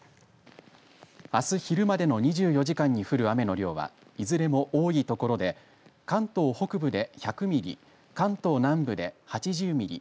あす昼までの２４時間に降る雨の量はいずれも多い所で関東北部で１００ミリ関東南部で８０ミリ